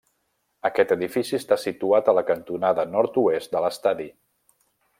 Aquest edifici està situat a la cantonada nord-oest de l'estadi.